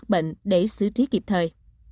các bệnh để xứ trí kịp thời